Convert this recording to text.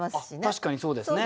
確かにそうですね。